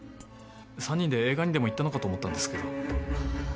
３人で映画にでも行ったのかと思ったんですけど。